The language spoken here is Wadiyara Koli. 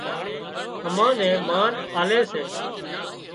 امان نين مانَ آلي سي